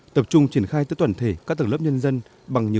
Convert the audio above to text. tập trung triển khai tới toàn thể các tầng lớp nhân dân